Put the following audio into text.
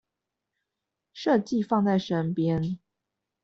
設計放在身邊